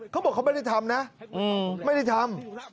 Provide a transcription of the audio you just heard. เขาบอกเขาไม่ได้ทำนะไม่ได้ทำ